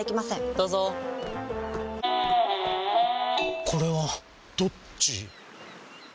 どうぞこれはどっち？